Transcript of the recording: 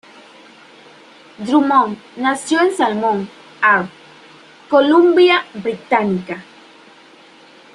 Drummond nació en Salmon Arm, Columbia Británica.